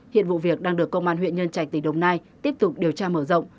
hiện vụ việc đang được công an huyện nhân trạch tỉnh đồng nai tiếp tục điều tra mở rộng